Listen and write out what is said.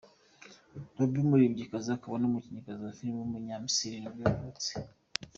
Ruby, umuririmbyikazi akaba n’umukinnyikazi wa film w’umunyamisiri nibwo yavutse.